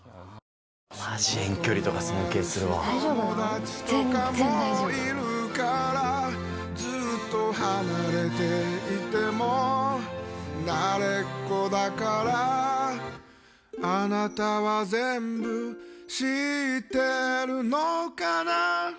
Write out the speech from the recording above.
友達とかもいるからずっと離れていても慣れっこだからあなたは全部知ってるのかな